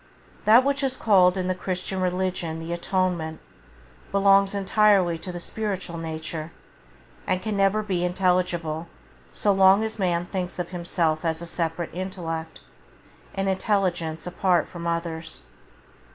That which is called in the Christian religion the Atonement belongs entirely to the spiritual nature, and can never be intelligible so long as the man thinks of himself as a separate intellect, an intelligence apart from others.